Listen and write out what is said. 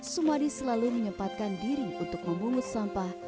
sumadi selalu menyempatkan diri untuk memungut sampah